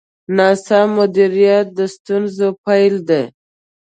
ناسم مدیریت د ستونزو پیل دی.